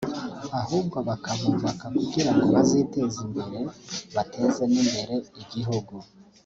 ahubwo bakabubaka kugirango baziteze imbere bateze n’imbere igihugu